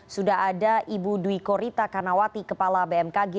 sudah ada ibu duyko rita kanawati kepala bmkg